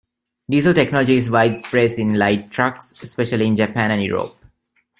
Diesel technology is widespread in light trucks, especially in Japan and Europe.